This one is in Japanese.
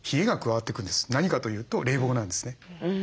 何かというと冷房なんですね。